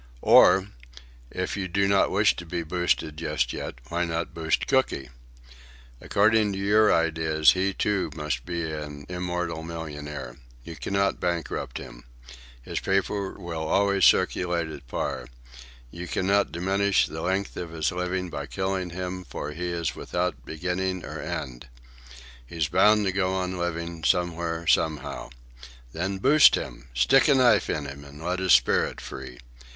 "Or, if you do not wish to be boosted just yet, why not boost Cooky? According to your ideas, he, too, must be an immortal millionaire. You cannot bankrupt him. His paper will always circulate at par. You cannot diminish the length of his living by killing him, for he is without beginning or end. He's bound to go on living, somewhere, somehow. Then boost him. Stick a knife in him and let his spirit free.